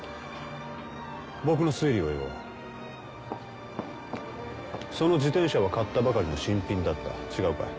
僕の推理を言おうその自転車は買ったばかりの新品だった違うか？